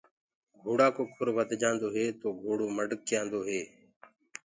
گھوڙآ ڪو کُر وڌجآندو هي تو گھوڙو مڊڪيآندو هي۔